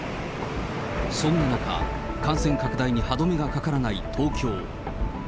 そんな中、感染拡大に歯止めがかからない東京。